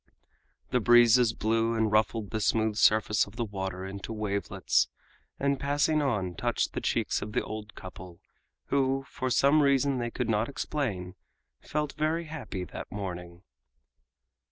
The breezes blew and ruffled the smooth surface of the water into wavelets, and passing on touched the cheeks of the old couple who, for some reason they could not explain, felt very happy that morning.